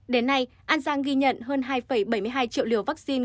đến nay an giang ghi nhận hơn hai bảy mươi hai triệu liều vaccine